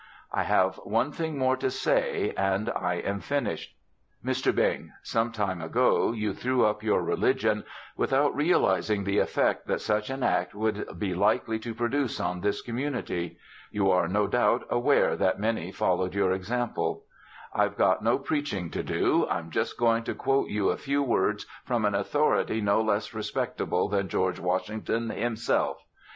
"I have one thing more to say and I am finished. Mr. Bing, some time ago you threw up your religion without realizing the effect that such an act would be likely to produce on this community. You are, no doubt, aware that many followed your example. I've got no preaching to do. I'm just going to quote you a few words from an authority no less respectable than George Washington himself.